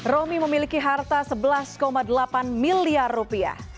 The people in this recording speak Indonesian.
romi memiliki harta sebelas delapan miliar rupiah